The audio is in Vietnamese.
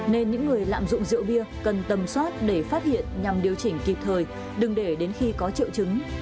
nên những người lạm dụng rượu bia cần tầm soát để phát hiện nhằm điều chỉnh kịp thời đừng để đến khi có triệu chứng